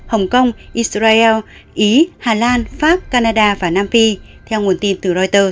hồng kông israel ý hà lan pháp canada và nam phi theo nguồn tin từ reuters